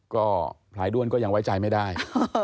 ก็พลายด้วนก็ยังไว้ใจไม่ได้